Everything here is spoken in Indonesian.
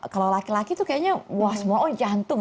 kalau laki laki itu kayaknya semua jantung